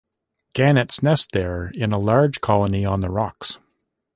Gannets nest there in a large colony on the rocks.